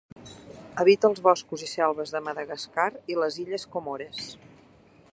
Habita els boscos i selves de Madagascar i les illes Comores.